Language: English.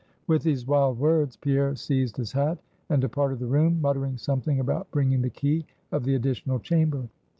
With these wild words, Pierre seized his hat, and departed the room, muttering something about bringing the key of the additional chamber.